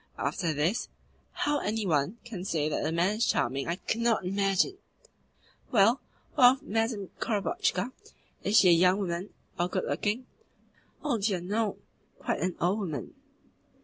After this, how any one can say that the man is charming I cannot imagine." "Well, what of Madame Korobotchka? Is she a young woman or good looking?" "Oh dear no! Quite an old woman."